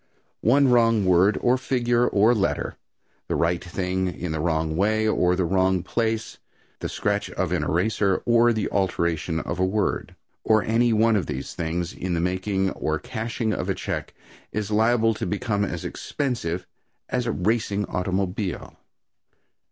One wrong word, or figure, or letter the right thing in the wrong way or the wrong place the scratch of an eraser or the alteration of a word or any one of these things, in the making or cashing of a check, is liable to become as expensive as a racing automobile.